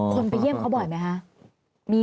ไปเยี่ยมเขาบ่อยไหมคะ